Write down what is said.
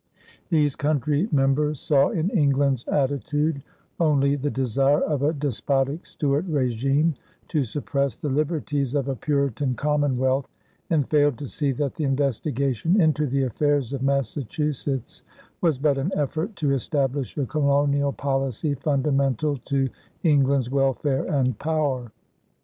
These country members saw in England's attitude only the desire of a despotic Stuart régime to suppress the liberties of a Puritan commonwealth, and failed to see that the investigation into the affairs of Massachusetts was but an effort to establish a colonial policy fundamental to England's welfare and power.